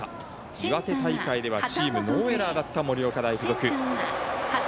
岩手大会ではチームノーエラーだった盛岡大付属。